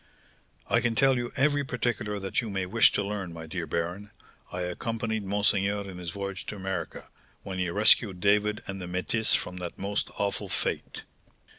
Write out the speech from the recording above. "I can tell you every particular that you may wish to learn, my dear baron; I accompanied monseigneur in his voyage to America, when he rescued David and the métisse from the most awful fate."